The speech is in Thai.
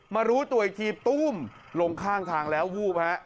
รู้ตัวอีกทีตู้มลงข้างทางแล้ววูบฮะ